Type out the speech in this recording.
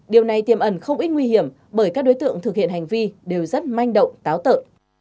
điều này tiềm ẩn không ít nguy hiểm bởi các đối tượng thực hiện hành vi đều rất manh động táo tợ